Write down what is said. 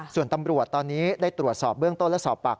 ส่วนตำรวจตอนนี้ได้ตรวจสอบเบื้องต้นและสอบปาก